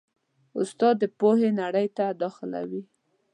استاد د پوهې نړۍ ته داخلوي.